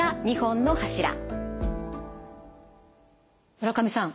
村上さん